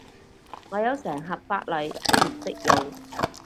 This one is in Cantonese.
我有成盒髮泥都唔識用